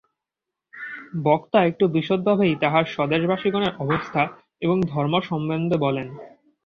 বক্তা একটু বিশদভাবেই তাঁহার স্বদেশবাসিগণের অবস্থা এবং ধর্ম সম্বন্ধে বলেন।